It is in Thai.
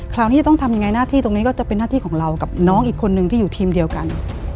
คราวนี้จะต้องทำยังไงหน้าที่ตรงนี้ก็จะเป็นหน้าที่ของเรากับน้องอีกคนนึงที่อยู่ทีมเดียวกัน